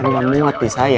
tidak muat di saya